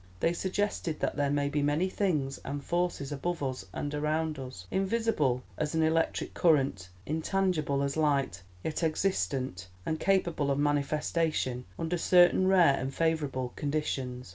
They suggested that there may be many things and forces above us and around us, invisible as an electric current, intangible as light, yet existent and capable of manifestation under certain rare and favourable conditions.